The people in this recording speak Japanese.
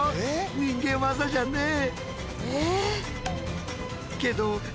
人間業じゃねえ！